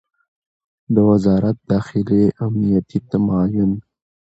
د وزارت داخلې امنیتي معین